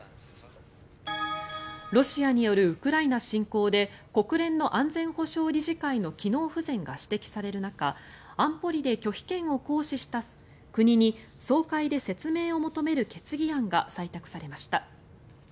ロシアによるウクライナ侵攻で国連の安全保障理事会の機能不全が指摘される中安保理で拒否権を行使した国に総会で説明を求める決議案が採択されました。